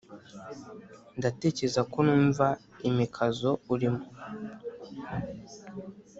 ndatekereza ko numva imikazo urimo.